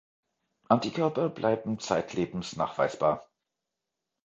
Antikörper bleiben zeitlebens nachweisbar.